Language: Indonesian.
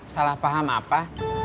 salah paham apa